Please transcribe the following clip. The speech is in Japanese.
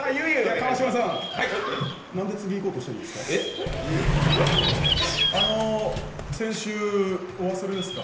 川島さん、なんで次いこうとしてるんですか？